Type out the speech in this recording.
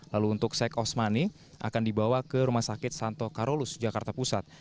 lalu untuk sheikh osmani akan dibawa ke rumah sakit santo karolus jakarta pusat